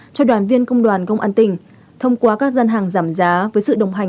cho đoàn viên công đoàn công an tỉnh thông qua các gian hàng giảm giá với sự đồng hành